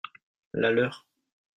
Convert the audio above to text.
La leur.